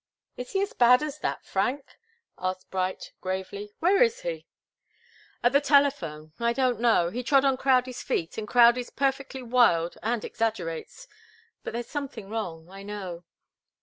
"Is he as bad as that, Frank?" asked Bright, gravely. "Where is he?" "At the telephone I don't know he trod on Crowdie's feet and Crowdie's perfectly wild and exaggerates. But there's something wrong, I know.